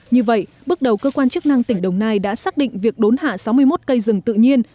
như vậy bước đầu cơ quan chức năng tỉnh đồng nai đã xác định việc đốn hạ sáu mươi một cây rừng tự nhiên